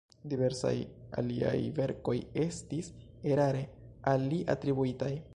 Diversaj aliaj verkoj estis erare al li atribuitaj.